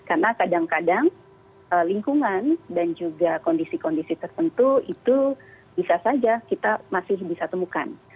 karena kadang kadang lingkungan dan juga kondisi kondisi tertentu itu bisa saja kita masih bisa temukan